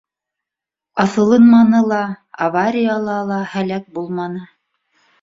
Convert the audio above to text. Аҫылынманы ла, аварияла ла һәләк булманы.